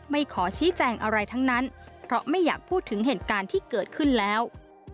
ขอชี้แจงอะไรทั้งนั้นเพราะไม่อยากพูดถึงเหตุการณ์ที่เกิดขึ้นแล้ว